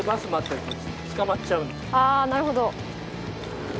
あなるほど。